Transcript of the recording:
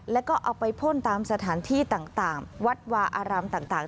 แล้วก็เอาไปพ่นตามสถานที่ต่างวัดวาอารามต่าง